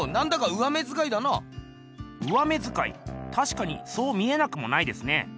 上目づかいたしかにそう見えなくもないですね。